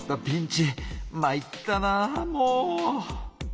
まいったなぁもう！